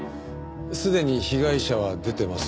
すでに被害者は出てます。